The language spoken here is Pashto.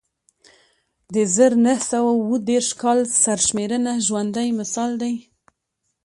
د زر نه سوه اووه دېرش کال سرشمېرنه ژوندی مثال دی